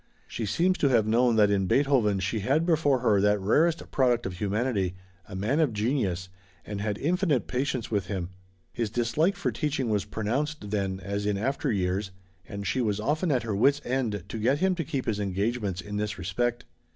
She seems to have known that in Beethoven she had before her that rarest product of humanity, a man of genius, and had infinite patience with him. His dislike for teaching was pronounced, then, as in after years, and she was often at her wits' end to get him to keep his engagements in this respect.